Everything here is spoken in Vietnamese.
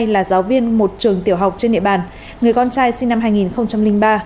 là giáo viên một trường tiểu học trên địa bàn người con trai sinh năm hai nghìn ba